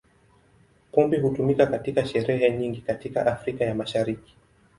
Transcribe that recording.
Pombe hutumika katika sherehe nyingi katika Afrika ya Mashariki.